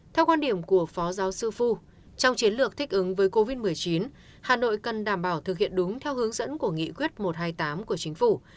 theo quan điểm của phó giáo sư phu trong chiến lược thích ứng với covid một mươi chín hà nội cần đảm bảo thực hiện đúng theo hướng dẫn của nghị quyết một trăm hai mươi tám của chính phủ